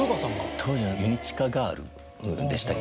当時ユニチカガールでしたっけ？